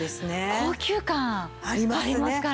高級感ありますから。